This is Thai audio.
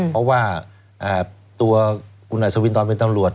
เพราะว่าตัวคุณอัศวินตอนเป็นตำรวจ